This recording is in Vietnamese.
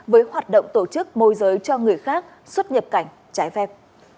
với hoạt động tổ chức môi giới cho người khác xuất nhập cảnh trái phép